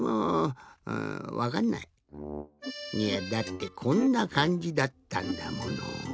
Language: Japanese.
いやだってこんなかんじだったんだもの。